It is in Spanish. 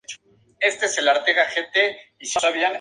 Come larvas de insectos, gusanos y crustáceos pequeños.